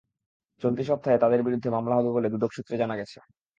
চলতি সপ্তাহে তাঁদের বিরুদ্ধে মামলা হবে বলে দুদক সূত্রে জানা গেছে।